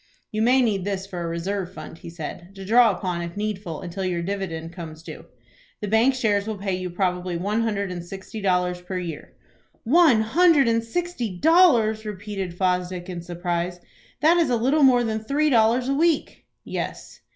"You may need this for a reserve fund," he said, "to draw upon if needful until your dividend comes due. The bank shares will pay you probably one hundred and sixty dollars per year." "One hundred and sixty dollars!" repeated Fosdick, in surprise. "That is a little more than three dollars a week." "Yes."